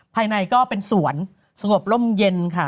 ภายในก็เป็นสวนสงบร่มเย็นค่ะ